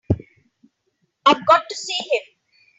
I've got to see him.